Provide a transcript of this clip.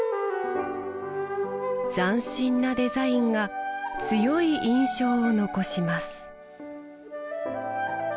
斬新なデザインが強い印象を残します